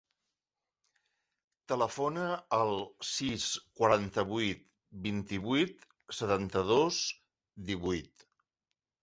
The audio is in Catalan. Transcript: Telefona al sis, quaranta-vuit, vint-i-vuit, setanta-dos, divuit.